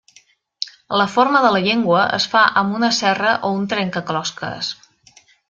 La forma de la llengua es fa amb una serra o un trencaclosques.